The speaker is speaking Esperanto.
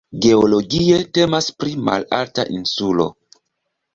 Geologie temas pri malalta insulo.